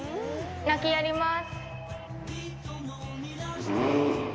鳴き、やります。